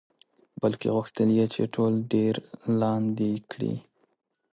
بلکې غوښتل یې چې ټول دیر لاندې کړي.